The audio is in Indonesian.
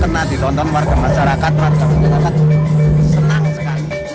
karena ditonton warga masyarakat warga masyarakat senang sekali